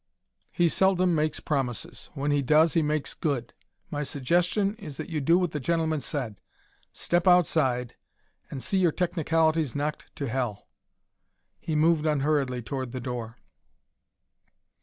He seldom makes promises; when he does he makes good. My suggestion is that you do what the gentleman said step outside and see your technicalities knocked to hell." He moved unhurriedly toward the door.